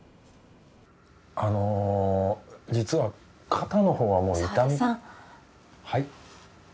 あの実は肩のほうはもう痛み沢田さんはい？